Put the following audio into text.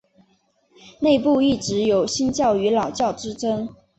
内部一直有新教与老教之争。